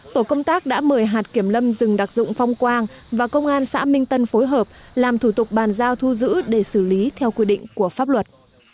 tổ công tác đã mời hạt kiểm lâm rừng đặc dụng phong quang và công an xã minh tân phối hợp làm thủ tục bàn giao thu giữ để xử lý theo quy định của pháp luật